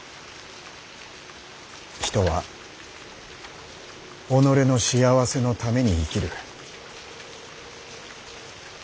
人は己の幸せのために生きる。